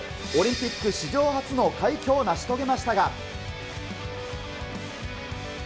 オリンピック史上初の快挙を成し遂げましたが。